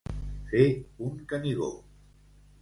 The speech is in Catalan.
Fer un Canigó.